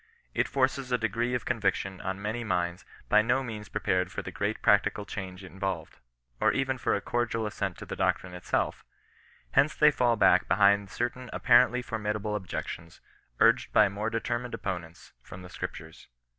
It forces a degree of conviction on many minds by no means prepared for the great practical change involved, or even for a cordial assent to the doctrine itself. Hence they fall back be hind certain apparently formidable objections, urged by more determined opponents, from the Scriptures.